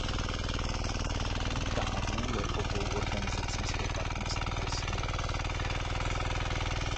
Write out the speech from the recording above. Vítá vůli obou organizací své partnerství posílit.